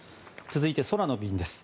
続いて空の便です。